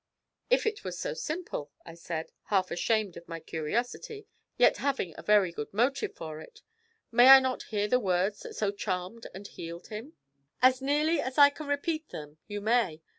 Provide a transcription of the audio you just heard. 'If it was so simple,' I said, half ashamed of my curiosity, yet having a very good motive for it, 'may I not hear the words that so charmed and healed him?' 'As nearly as I can repeat them, you may.